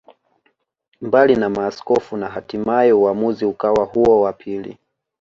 Mbali na maaskofu na hatimae uamuzi ukawa huo wa pili